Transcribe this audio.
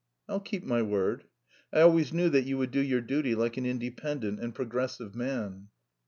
"I'll keep my word." "I always knew that you would do your duty like an independent and progressive man."